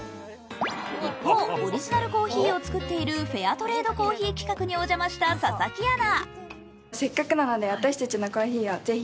一方、オリジナルコーヒーを作っているフェアトレード企画にお邪魔した佐々木アナ。